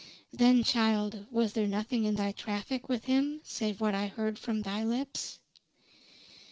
"Then, child, was there nothing in thy traffic with him save what I heard from thy lips?"